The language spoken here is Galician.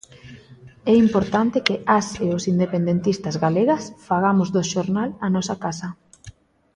É importante que as e os independentistas galegas fagamos do xornal a nosa casa.